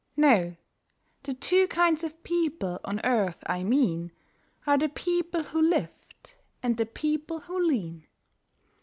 No; the two kinds of people on earth I mean Are the people who lift, and the people who lean.